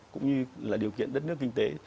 cũng như là điều kiện đất nước kinh tế